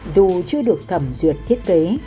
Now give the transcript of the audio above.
dù chưa được thẩm duyệt thiết kế